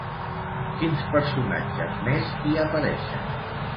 Quins personatges més hi apareixen?